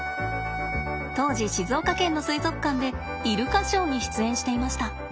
当時静岡県の水族館でイルカショーに出演していました。